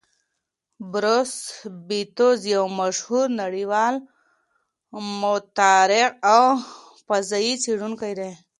بروس بتز یو مشهور نړیوال مخترع او فضايي څېړونکی دی.